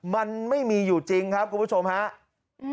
มันไม่มีอยู่จริงครับคุณผู้ชมครับ